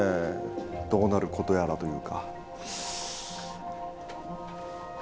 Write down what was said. どうなることやらというか。